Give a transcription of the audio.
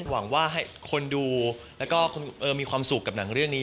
หวังว่าให้คนดูแล้วก็มีความสุขกับหนังเรื่องนี้